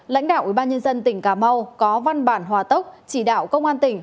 lãnh đạo ubnd tỉnh cà mau có văn bản hòa tốc chỉ đạo công an tỉnh